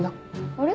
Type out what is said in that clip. あれ？